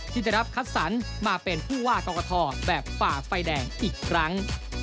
ที่จะรับคัดสรรมาเป็นผู้ว่ากรกฐแบบฝ่าไฟแดงอีกครั้ง